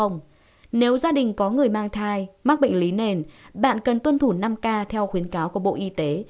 nếu gia đình có người mang thai mắc bệnh lý nền bạn cần tuân thủ năm k theo khuyến cáo của bộ y tế